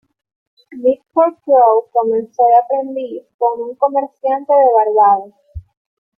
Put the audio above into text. Mitford Crowe comenzó de aprendiz con un comerciante de Barbados.